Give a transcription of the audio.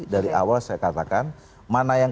dari awal saya katakan mana yang